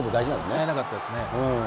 変えなかったですね。